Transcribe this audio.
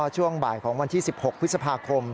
ช่วงบ่ายของวันที่๑๖พค